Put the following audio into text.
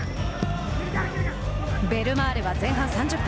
ベルマーレは前半３０分。